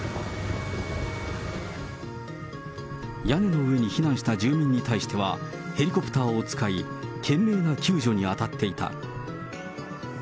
屋根の上に避難した住民に対しては、ヘリコプターを使い、懸命な救助に当たっていた。